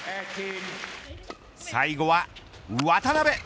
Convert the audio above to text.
最後は渡辺。